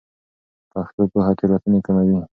پښتو پوهه تېروتنې کموي.